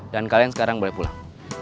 kalian sekarang boleh pulang